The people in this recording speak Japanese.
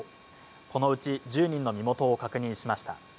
このうち１０人の身元を確認しました。